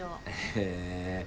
へえ。